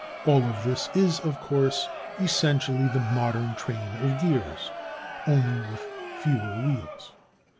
All of this is, of course, essentially the modern train of gears, only with fewer wheels.